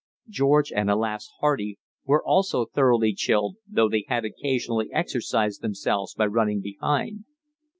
George and, alas! Hardy, were also thoroughly chilled, though they had occasionally exercised themselves by running behind.